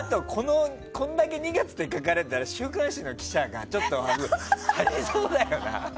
これだけ２月って書かれたら週刊誌の記者がちょっと張りそうだよな。